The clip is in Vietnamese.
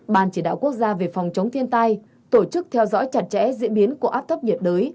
ban chỉ đạo quốc gia về phòng chống thiên tai tổ chức theo dõi chặt chẽ diễn biến của áp thấp nhiệt đới